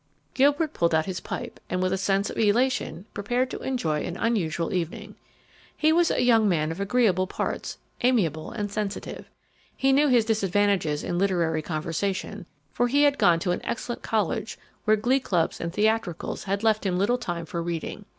Gilbert pulled out his pipe, and with a sense of elation prepared to enjoy an unusual evening. He was a young man of agreeable parts, amiable and sensitive. He knew his disadvantages in literary conversation, for he had gone to an excellent college where glee clubs and theatricals had left him little time for reading.